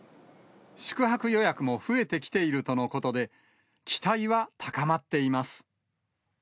宿泊予約も増えてきているとのことで、期待は高まっています。